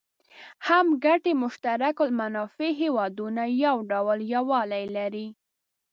هم ګټي مشترک المنافع هېوادونه یو ډول یووالی لري.